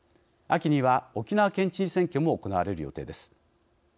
秋には沖縄県知事選挙も行われる予定です。